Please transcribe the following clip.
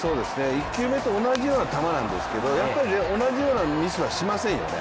１球目と同じような球なんですけどやっぱり同じようなミスはしませんよね。